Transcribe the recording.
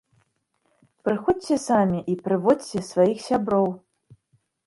Прыходзьце самі і прыводзьце сваіх сяброў!